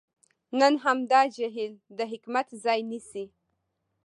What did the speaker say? نن همدا جهل د حکمت ځای نیسي.